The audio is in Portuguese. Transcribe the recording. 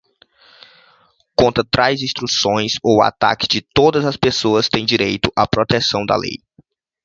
Contra tais intromissões ou ataques toda a pessoa tem direito a protecção da lei.